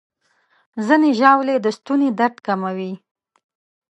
ځینې ژاولې د ستوني درد کموي.